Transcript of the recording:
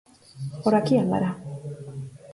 Por aquí andará..."